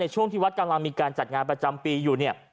ช่วงที่วัดกำลังมีการจัดงานประจำปีอยู่เนี่ย